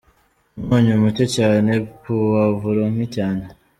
Umunyu muke cyane, puwavuro nke cyane.